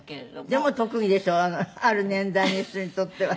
でも特技でしょある年代の人にとってはさ。